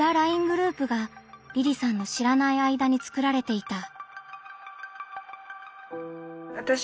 ＬＩＮＥグループがりりさんの知らない間に作られていた。